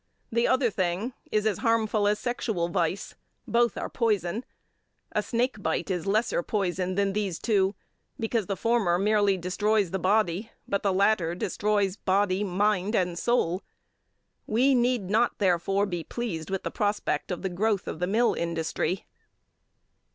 The other thing is as harmful as sexual vice. Both are poison. A snakebite is a lesser poison than these two, because the former merely destroys the body, but the latter destroys body, mind and soul. We need not, therefore, be pleased with the prospect of the growth of the mill industry.